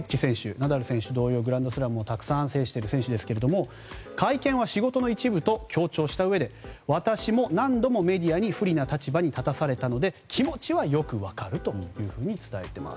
ナダル選手同様グランドスラムを制している選手ですが会見は仕事の一部と強調したうえで、私も何度もメディアに不利な立場に立たされたので気持ちはよく分かると伝えています。